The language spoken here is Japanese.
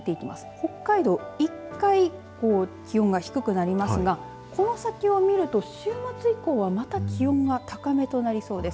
北海道、１回気温が低くなりますがこの先を見ると、週末以降はまた気温が高めとなりそうです。